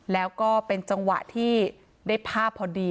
แล้วก็เป็นจังหวะที่ได้ภาพพอดี